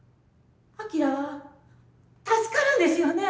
晶は助かるんですよね？